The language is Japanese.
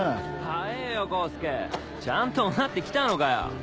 早えぇよ功介ちゃんとオナって来たのかよ。